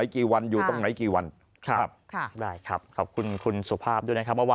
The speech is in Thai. ครับได้ครับขอบคุณคุณสุภาพด้วยนะครับ